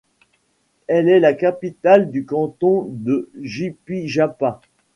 Elle est la capitale du canton de Jipijapa.